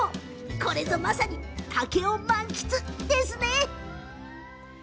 これぞ、まさに竹を満喫って感じですね。